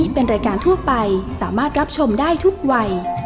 เป็กกี้ก็โหลดแล้วค่ะ